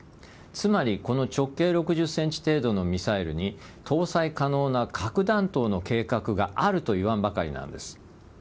つまりこの直径６０ｃｍ程度のミサイルに搭載可能な核弾頭の計画があるといわんばかりなんです。